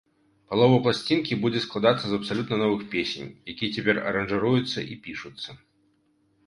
Палова пласцінкі будзе складацца з абсалютна новых песень, якія цяпер аранжыруюцца і пішуцца.